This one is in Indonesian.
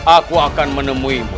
aku akan menemuimu